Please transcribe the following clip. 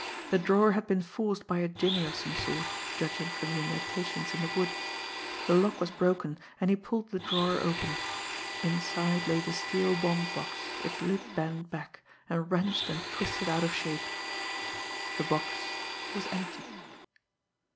The drawer had been forced by a jimmy of some sort, judging from the indentations in the wood. The lock was broken, and he pulled the drawer open. Inside lay the steel bond box, its lid bent back, and wrenched and twisted out of shape. The box was empty.